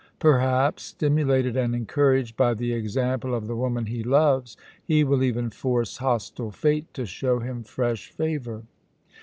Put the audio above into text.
Perhaps, stimulated and encouraged by the example of the woman he loves, he will even force hostile Fate to show him fresh favour."